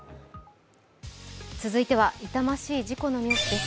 続いては痛ましい事故のニュースです。